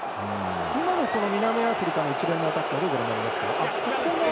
今の南アフリカの一連のアタックはどうご覧になりますか。